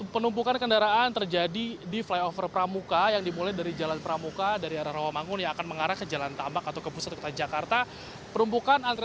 penumpukan kendaraan terjadi di flyover pramuka yang dimulai dari jalan pramuka dari arah rawamangun yang akan mengarah ke jalan pramuka